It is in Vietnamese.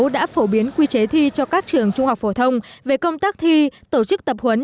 đã phổ biến quy chế thi cho các trường trung học phổ thông về công tác thi tổ chức tập huấn